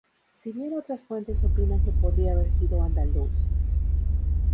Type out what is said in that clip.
Si bien otras fuentes opinan que podría haber sido andaluz.